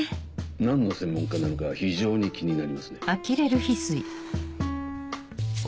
何の専門家なのか非常に気になりますね。